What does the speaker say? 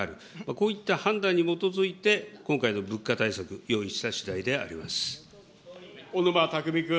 こういった判断に基づいて、今回の物価対策、小沼巧君。